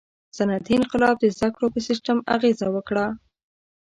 • صنعتي انقلاب د زدهکړو په سیستم اغېزه وکړه.